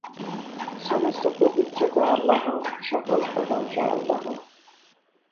সমস্ত পবিত্রতা আল্লাহর, সকল প্রশংসা আল্লাহর।